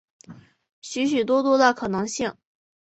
许许多多的可能性